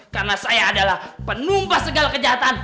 karena saya adalah penumpah segala kejahatan